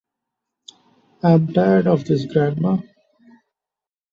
I'm tired of this, grandma!